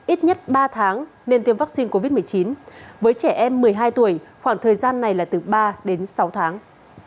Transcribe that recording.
ít nhất ba tháng nên tiêm vaccine covid một mươi chín với trẻ em một mươi hai tuổi khoảng thời gian này là từ ba đến sáu tháng